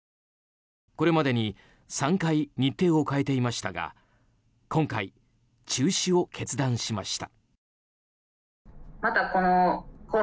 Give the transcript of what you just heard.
これまでに３回日程を変えていましたが今回、中止を決断しました。